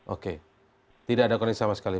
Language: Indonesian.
oke tidak ada koneksi sama sekali